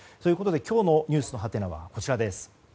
今日のｎｅｗｓのハテナはこちらです。